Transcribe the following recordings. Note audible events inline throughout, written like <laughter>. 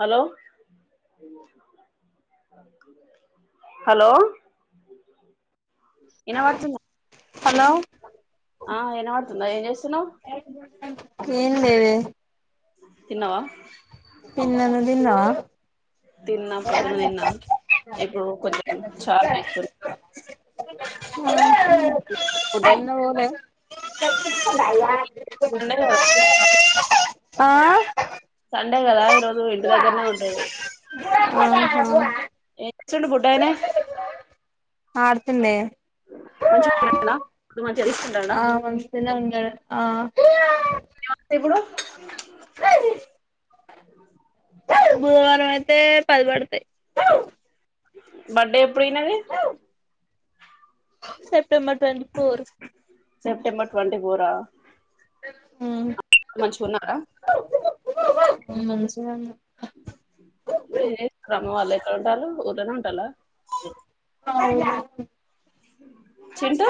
hello hello విన పడుతుంద hello ఆ విన పడుతుంద ఏం చేస్తున్నావు ఏం లేదే తిన్నావా తిన్న నువ్వు తిన్నావా తిన్నా పోద్దున తిన్న ఇప్పుడు కొంచెం చారు చేస్తుర్రు ఫుడ్ ఎన్న పోలే సండే కదా ఆ సండేగదా ఈరోజ ఇంటి దగ్గరనే ఉంటడు అ ఇచ్చం బుట్టా అన ఆ అడుతున్న నె మంచిగా ఉన్నాడా ఇప్పుడు మంచిగా తీసుకుంటాడా ఆ మంసిన ఉంగ ఆ నమస్తే ఇప్పుడు బుధవారం అయితే పద పడతాయి బర్డే ఎప్పుడనాది September twenty four September twenty ఉ మంచి మన క ఉన్న కా మంచి గునమ ఏ క్రమం వాళ్ళు ఎక్కడ ఉంటాల ఊరనే ఉంటాలా అ చింటూ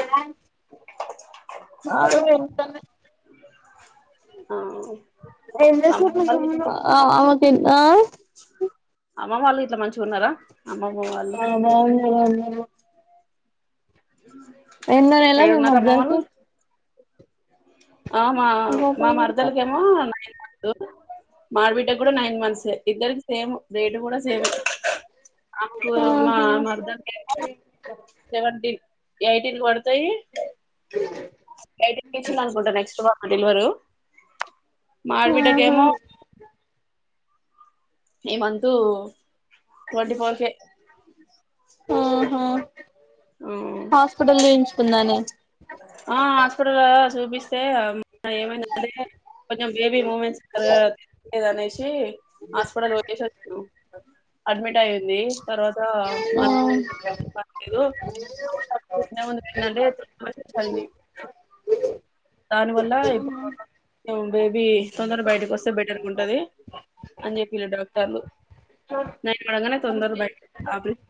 ఆ ఎంత సూకు వాళ్ళు ఎ అమ్మ వాళ్ళు ఇట్లా మంచిగా ఉన్నారా అమ్మమ్మ వాళ్ళు ఆ బాగున్నారు అందరూ ఎన్నో నెల య మీ డఉన్నారా మమలు మరదలికి ఆమ మా మరదలకి ఏమ మాార్బిట కూడా నైన్ మంత్స్ ఇద్దరికి సేమ్ రేటు కూడా సేమ్ ఆకుమా ఆహా మర్దం జసెవెంటన్ ఎయిటీన్ పడతాయి ఎయిటీన్ ఇి అనుకుంటా నెక్స్ట్వ్ అదిల్వరు ఆహా మబిటకేమో ఇవంతూ ట్వంటీ ఫోర్ కే ఆహా హాస్పిటల్ వయించుకున్నాా నే ఆ అపుడుచూభస్తేదం దెఏమైదే కొంచెం బేబీ మూమెంట్స్నే వచ్చి హాస్పిటల్ వచ్చు అడ్మిట్ అయింది తర్వాతలేదుందుంటే దాని వల్ల ఇప్పుడు బేబీ ది తొందర బయటకి వస్తే బెటర్గా ఉంటది అని చెప్పిలే డాక్టర్లు న అడగానే తొందర బయట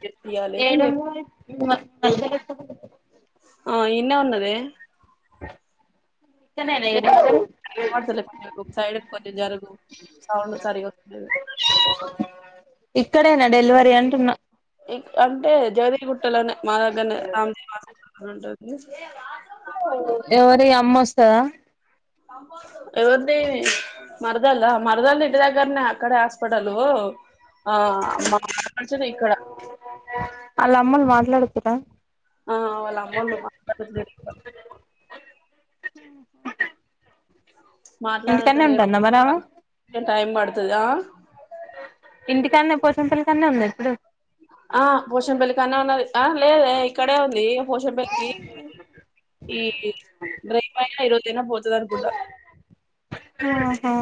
చేసి తీయాలి అని ఏడు చెప్పి మ అసలు ఆ ఇ నె వన్నది ఇతడే న ఇడ వుం నది డలే సైడ్ పో జరుగు సౌండ్ సరిగా వలేదు ఇక్కడేనా డెలివరీ అంటున్నా ఇక డఅంటే జవదే గుట్టలోనే మా దగ్గరనే రామ్దేవి మా ఉంటుంది ఎవరి అమ్మ వస్తందా అంద మరదల్ మరదల్ ఇంటి దగ్గరనే అక్కడ హాస్పిటలు ఆ మా మాటపడిచ ఇక్కడ ఆళ్ళ అమ్మలు మాట్లాడుతుర్రా ఆ అళ అమ్మోంద మా స్త గుంట ది హ ఇంటికాన్నే మాట్లాడుతలేరు ఉంటుందా మరి ఆమె ఇగ టైమ్ పడుతది ఇంటికన్నె పోసం పెల్లి కన్నె ఉన్నదా ఇప్పుడు ఆ పోషం పెల్లికి కానే ఉన్నది ఆ లేదే ఇక్కడే ఉంది పోషంపేల్లికి ఈ రేపు అయినా ఈ రోజు పోతది అనుకుంటా ఆహా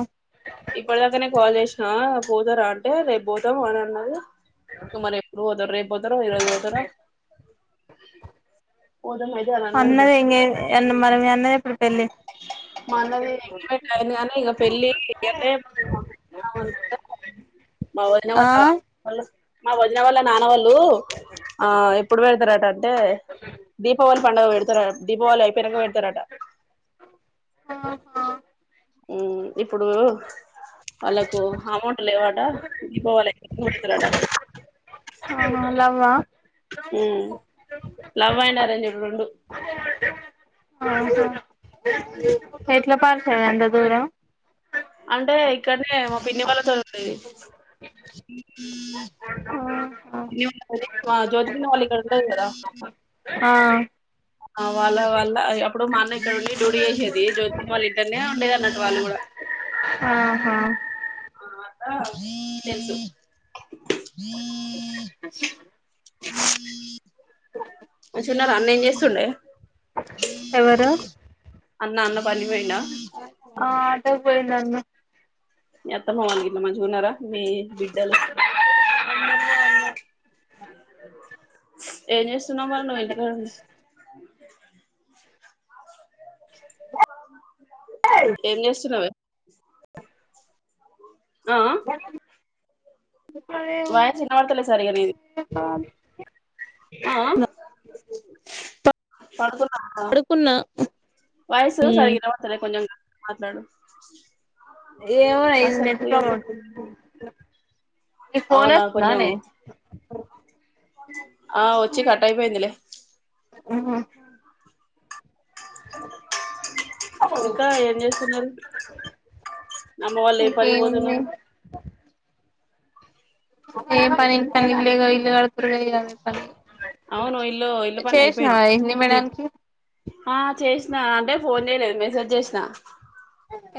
ఇప్పటి దాకానే కాల్ చేసినా పోతారా అంటే రేపు పోతాము అని అన్నది మరి ఎప్పుడు పోతారో రేపు పోతారో ఈ రోజు పోతారో పోదాం అయితే అని అన్నారు మరి అన్నదే ఇంగా మీ అన్నది ఎప్పుడు పెళ్ళి మా అన్నది ఎంగేజ్మెంట్ కానీ ఇగ పెళ్ళి గదే పెట్టుకుందామనుకుంటే మా వదిన ఆ వాళ్లు రావాలే మా వదిన వాళ్ళ నాన్న వాళ్ళు ఆ ఎప్పుడు పెడతారట అంటే దీప పండగ వెడుతరు దీపావళి అయిపోనక వెడుతరట ఉమ్ ఇప్పుడు వాళ్ళకు అమౌంట్ లేవాట దీపావళి అయి పెడతారట ఆహా లవ్ ఆ ఉమ్ లవ్ అండ్ అరేంజ్డ్ రెండు ఆహా ఎట్ల పరిచయం ఎంత దూరం అంటే ఇక్కడనే మా పిన్ని వాళ్ళతో ఉండేది ఆ జ్యోతి పిన్ని వాళ్ళు ఇక్కడ ఉంటది కదా ఆ ఆ వాళ్ళ వాళ్ళ అప్పుడు మా అన్న ఇక్కడ ఉండి డ్యూటీ చేసేది జ్యోతి వాళ్ళ ఇంట్లనే ఉండేది అన్నట్టు వాళ్ళు కూడా ఆహా ఆ అట్ల తెలుసు మంచిగున్నారా అన్న ఏం చేస్తుండే ఎవరు అన్న అన్న పనికి పోయి ఆ అడ్డా కి పోయిండు మీ అత్తమ వాలు గిట్ల మాంచిగా ఉన్నారా మీ బిడ్డలు ఏం చేస్తున్నావు మరి నువ్వు ఇంటి కడ ఉండి ఏం చేస్తున్నావు ఆ ఆ వాయిస్ వినపడతలే సరిగ్గా నీది ఆ వాయిస్ సరిగా వినపడతలే కొంచెం మాట్లాడు ఏమో ఈ అసలు నెట్ ప్రాబ్లం నీ ఫోన్ అవునా కొంచెం అచ్చిందానే ఆ వచ్చి కట్టాయిపోయిందిలే ఆహ ఇంకా ఎం చేస్తున్నారు అమ్మ వాళ్లు ఏం పనికి ఇంకేముంది పోతున్నారు ఏ పని పని ఇల్లే గా అదే పని అవును ఇల్లు ఇల్లు పని అయిపోయింది చేసినావా హిందీ మేడంకి ఆ చేసినా అంటే ఫోన్ చేయలేదు మెసేజ్ చేసిన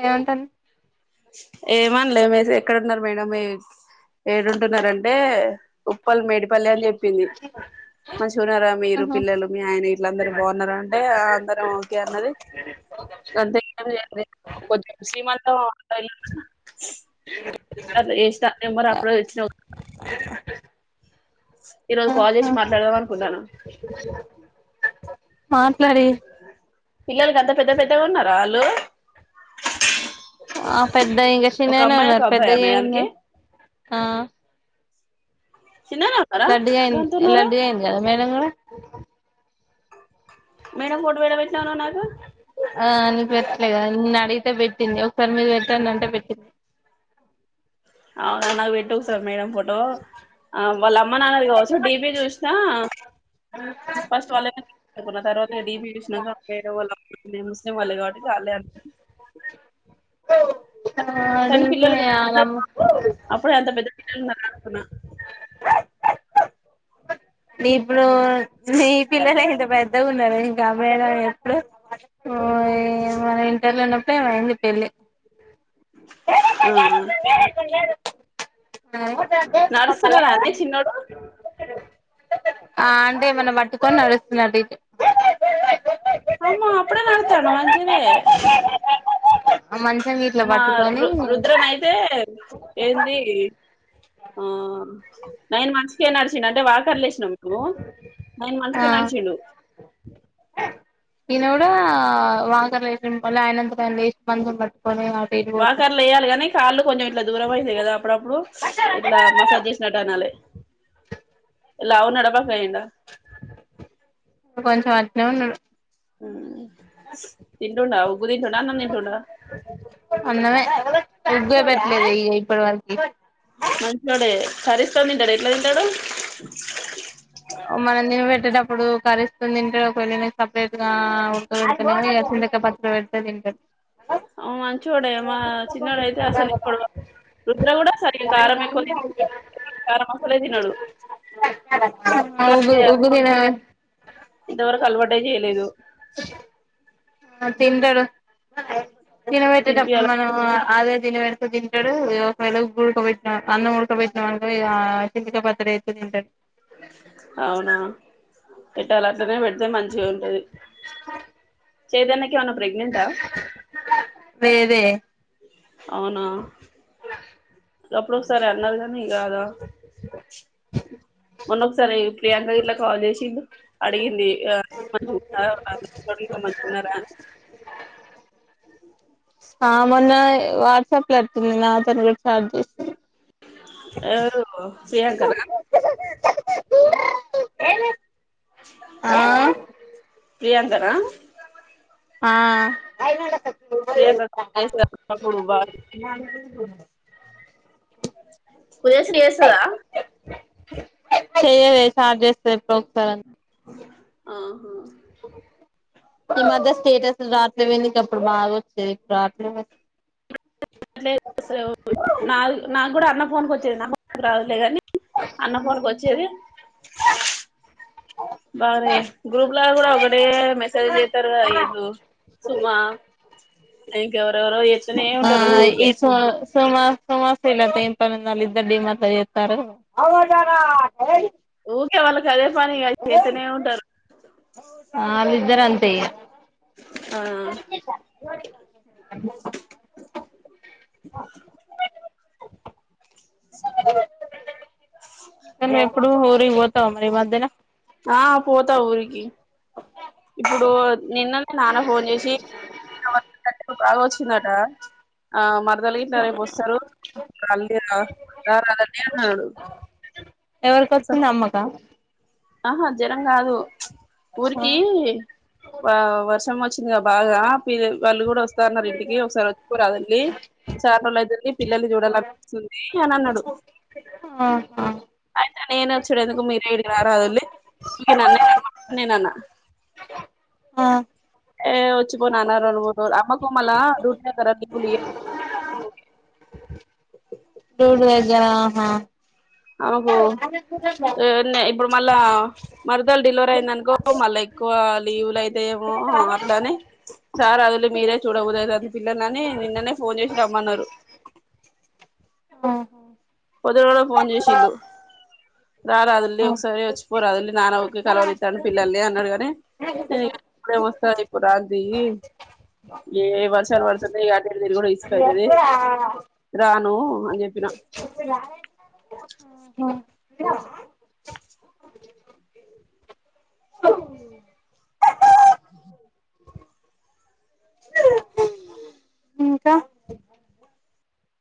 ఏమంటారు ఏమనలే మేసే ఎక్కడున్నారు మేడం మీ ఏడుంటున్నారంటే ఉప్పల్ మేడిపల్లె అని చెప్పింది మంచిగున్నార మీరు ఆహా పిల్లలు మీ ఆయన ఇట్ల అందరు బావున్నారా అంటే అందరం ఓకే అన్నది గంతే ఏమి లేదే కొద్ద్ తేసిమన్ ఆ అందులో ఎస్తా ఏమోర్ అప్పుడే వచ్చినవ్ ఈరోజు కాల్ జేసి ఆహా మాట్లాడదాం అనుకుంటన్న మాట్లాడే పిల్లల గంత పెద్ద పెద్దగా ఉన్నార ఆళ్ళు ఆ పెద్ద ఇంగ ఒక చిన్నగనే అమ్మాయి ఉన్నారు ఒక అబ్బాయా పెద్దగ మేడానికి ఏమున్నారు ఆ చిన్ననే ఉన్నారా లడ్డుగాయింది గంతున్నారు లడ్డుగాయింది కద మేడం గూడ మేడం ఫోటో పెడ పెట్టినావు నువ్వు నాకు ఆ నువ్వు పెట్లేగా న అ అయితే పెట్టింది ఒకసారి మీరు పెట్టండి అంటే పెట్టింది అవునా నాకు పెట్టు ఒకసారి మేడం ఫోటో వాళ్ళ అమ్మ న్నానది కావచ్చు డిపి చూస్తా ఫస్ట్ వాళ్ళ ఎతు ఉన్న తర్వాత డిపి చూసినక వేరే వోళ్ళ ముస్లిం వాళ్ళే కాబట్టి వాళ్ళే అ ఆ కానీ అడిగితే పిల్లలు ఆలమ్మ అప్పుడే అంత పెద్ద పిల్లలు ఉన్నార అనుకున్నా నీ పిల్లలు నీ పిల్లలే అంత పెద్దగా ఉన్నారు ఇంగ మేడం ఎప్పుడు మన ఇంటర్లో ఉన్నప్పుడేమో అయిది పెళ్లి ఆ నమ్ము నాకేంటి కొత్తలో నడుస్తున్నాడా అండి చిన్నోడు ఆ అంటే ఏమన్న పట్టుకొని నడుస్తున్నట్టు అయితే అమ్మ అప్పుడే నడుతాండు మంచిదే మంచం గిట్ల మా పట్టుకొని రు రుద్రన్ అయితే ఏంది ఆ నైన్ మంత్స్కే నడిచిండు అంటే వాకర్ల ఏసినందుకు నైన్ ఆ మంత్కే నడిచిండు ఈయన కూడా వాకర్ల ఎసిన పోన్లే ఆయనంతట ఆయన లేసి మ వాకర్లో ఎయాలి కాని కాళ్ళు కొంచెం ఇట్ల దూరం అయితే కదా అప్పుడప్పుడు ఇట్లా మసాజ్ జేసినట్టు అనాలి లావు ఉన్నాడ బక్కఅయిండ కొంచెం అట్నే ఉన్నాడు తింటుండా ఉగ్గు తింటుండా అన్న తింటుండా అన్నమే ఉగ్గే పెట్లేదు ఇప్పటి వరకు మంచోడే కర్రిస్తో తింటాడు ఎట్లా తింటాడు మనం తిని పెట్టినప్పుడు కర్రిస్తో తింటడు సేపెరెట్గ ఉడ్కబెడితే వేరుశనకాయ్ పచ్చడి బెడ్తే దింటడు అ మంచోడే మా చిన్నోడు అయితే అసలు ఇప్పటి వ రుద్ర కూడా సరిగ కారం ఎక్కవ కారం అస్సలే తినడు అలవాటు ఉగ్గు జేయాలి ఉగ్గు తిన ఇంతవరకు అలవాటే జేయలేదు ఆ తింటడు తినబెట్టేటప్పుడు తినిపియాలి మనం అదే తినబెడితే తింటడు ఒకవేళ ఉగ్గు ఉడకబెట్టిన అన్నం ఉడకబెట్టిన ఇగ ఆ చింతకాయ పచ్చడి అయితే తింటడు అవునా పెట్టాల అట్నే పెడితే మంచిగా ఉంటది ఆ చైతన్య కి ఏమైనా ప్రెగ్నెంట్ ఆ లేదే అవునా అప్పుడు సార్ అన్నారు కానీ కాదా మొన్న ఒకసారి ప్రియాంక ఇట్లా కాల్ చేసి అడిగింది ఆ <unintelligible> మంచిగా ఉన్నారా ఆ మొన్న వాట్సాప్ లో వచ్చింది నాతోను కూడా చాట్ చేసింది ఎవరు ప్రియాంక నా ఆ ప్రియాంకన ఆ ప్రియాంక చేసినప్పుడు బా పూజశ్రీ చేస్తాదా చెయదే చాట్ చేస్తాది ఎప్పుడో ఒకసారని ఆహా ఈ మధ్య స్టేటస్ రాట్లేదేంట గాప్పుడు బాగా వచ్చేది ఇప్పుడు రాట్లేదు దుస నా నాకు కూడా అన్న ఫోన్కి వచ్చేది నాకు రాదులే కానీ అన్న ఫోన్ కి వచ్చేది బాగానే గ్రూప్ లా కూడా ఒకటే మెసేజ్లు చేస్తారు ఇళ్లు సుమ ఇంకెవరెవరు ఆ ఏస సుమ సుమ శ్రీనాథ్ పని ఉన్ వాళ్ళ ఇద్దరు డీమర్ట్ లో చేస్తారు ఊరికే వాళ్ళకి అదే పని కదా చేతనే ఉంటారు ఇద్దర్ అంతే ఆ <unintelligible> ఎప్పుడు ఊరిగిపోతావు మరి ఈ మధ్యన ఆ పోతా ఊరికి ఇప్పుడు నిన్న మా నాన్న ఫోన్ చేసి బాగా వచ్చిందట ఆ మరదలు గిట్ల రేపు వస్తారు మ ఆ దా రాడండి అన్నాడు ఎవరికొచ్చింది అమ్మకా ఆహా జ్వరం కాదు ఏ వర్షం వచ్చిందిగా బాగా పిల వాళ్ళు కూడా వస్తన్నారు ఇంటికి ఒకసారి వచ్చిపోరాదే చాలా రోజులు అవుతుంది పిల్లల్ని ఆ చూడాలనీపిస్తుంది అని అన్నాడు ఆహా అయితే నేను వచ్చుడు ఎందుకు మీరే ఏడకి రారదుల్ ఇక నన్న నేన్న అన్న ఆ ఏ వచ్చిపో నాన్న రెండు మూడు రోలు అమ్మకు మళ్ళా రూటీ తరావులి ఓకే రూట్ దగ్గర ఆహా ఆమెకు హు నీ ఇప్పుడు మళ్ళా మరదలు డెలివర్ అయిందనుకో మళ్ళా ఎక్కువ లీవలు అయితే ఓహ అట్లానే సార్ అదిలో మీరే చూడబుది పిల్లనని నిన్ననే ఫోన్ చేసి రమ్మన్నారు హో పొద్దున కూడా ఫోన్ చేసిళ్ళు రారాదుల్లి ఒకసారి వచ్చి పోరాదుల్లి నాన ఊకె కలవరితాండూ పిల్లల్ని అన్నాడుగాని ఇగ ఇప్పుడేం వస్తా ఇప్పుడు రాను తియ్యి ఏ వర్షాలు పడుతనాయి ఇగ అటు ఇటు తిరుగుడు ఇస్ అయితది రాను అని చెప్పిన మ్ ఇంకా